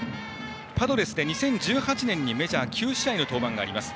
パドレスで２０１８年にメジャー９試合の登板があります。